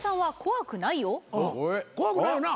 怖くないよな？